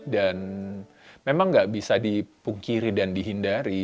dan memang nggak bisa dipungkiri dan dihindari